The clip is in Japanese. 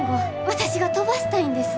私が飛ばしたいんです。